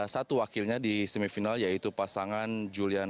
satu wakilnya di semifinal yaitu pasangan julian